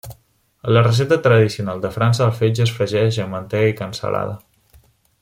A la recepta tradicional de França el fetge es fregeix amb mantega i cansalada.